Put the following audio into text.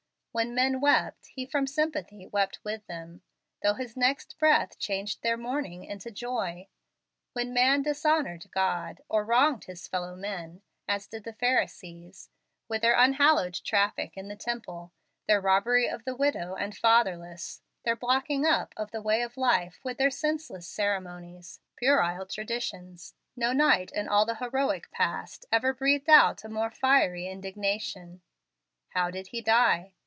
When men wept, He, from sympathy, wept with them, though his next breath changed their mourning into joy. When man dishonored God, or wronged his fellow men, as did the Pharisees, with their unhallowed traffic in the Temple, their robbery of the widow and fatherless, their blocking up of the way of life with their senseless ceremonies, puerile traditions, no knight in all the heroic past ever breathed out a more fiery indignation. How did He die?